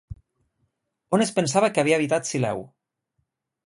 On es pensava que havia habitat Sileu?